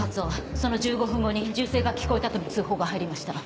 その１５分後に銃声が聞こえたとの通報が入りました。